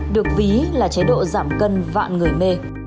được ví là chế độ giảm cân vạn người mê